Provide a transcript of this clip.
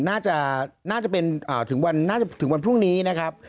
น่าจะเป็นถึงวันพรุ่งนี้นะครับ